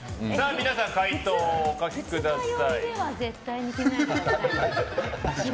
皆さん、解答をお書きください。